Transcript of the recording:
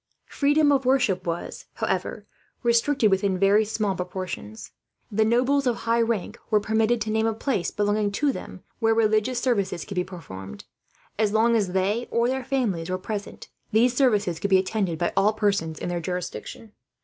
Freedom of worship was, however, restricted within very small proportions. The nobles of high rank were permitted to name a place, belonging to them, where religious services could be performed. As long as they or their families were present, these services could be attended by all persons in their jurisdiction.